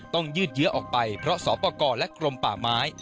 ต้องยืดเยอะออกไปเพราะสอบประกอบและกลมป่าไม้